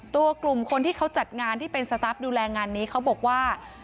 กลุ่มคนที่เขาจัดงานที่เป็นสตาร์ฟดูแลงานนี้เขาบอกว่า